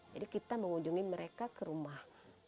jadi kita mengunjungi mereka ke rumah